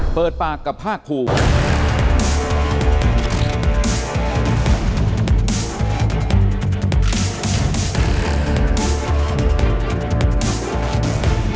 เปิดปากกับภาคภูมิ